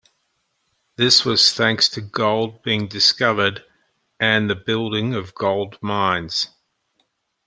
This was thanks to gold being discovered and the building of gold mines.